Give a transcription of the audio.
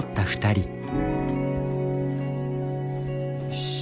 よし。